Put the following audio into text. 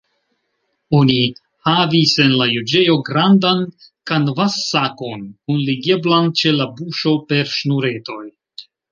Oni havis en la juĝejo grandan kanvassakon, kunligeblan ĉe la buŝo per ŝnuretoj.